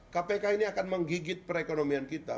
kpk ini akan menggigit perekonomian kita